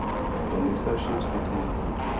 Byl nejstarším z pěti dětí.